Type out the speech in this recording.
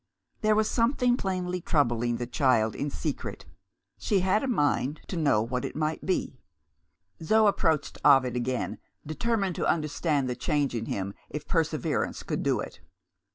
There was something plainly troubling the child in secret; she had a mind to know what it might be. Zo approached Ovid again, determined to understand the change in him if perseverance could do it.